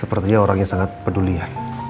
sepertinya orangnya sangat peduli ya